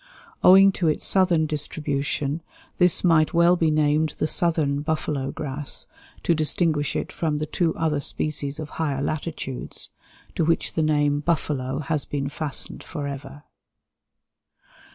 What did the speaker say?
Owing to its southern distribution this might well be named the Southern buffalo grass, to distinguish it from the two other species of higher latitudes, to which the name "buffalo" has been fastened forever.